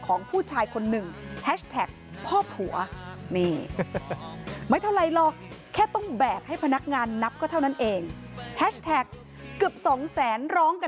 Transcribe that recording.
ก็คือคุณลุงที่ใส่เสื้อวิลรถจักรยานยนต์รับจ้างในคลิปนั่นล่ะค่ะ